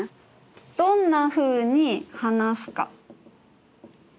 どんなふうに話すか？